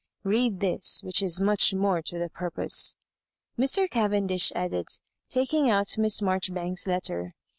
Read this, which is much more to the purpose," Mr. Cavendish add ed, taking out Miss Maijoribanks's letter.